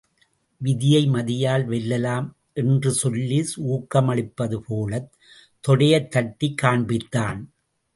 விதியை மதியால் வெல்லலாம் என்று சொல்லி ஊக்கமளிப்பது போலத் தொடையைத் தட்டிக் காண்பித்தான்.